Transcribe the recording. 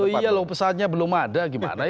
iya loh pesawatnya belum ada gimana